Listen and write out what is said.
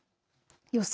予想